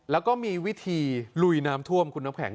แล้วก็มีวิธีลุยน้ำท่วมคุณน้ำแข็ง